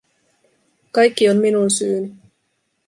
Kaikki on minun syyni.